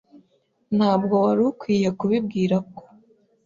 Ntabwo wari ukwiye kubibwira ko.